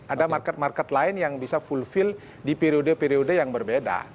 ada market market lain yang bisa fullfield di periode periode yang berbeda